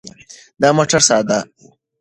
دا موټر ساده و.